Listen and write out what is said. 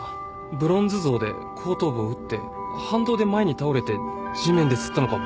ブロンズ像で後頭部を打って反動で前に倒れて地面で擦ったのかも。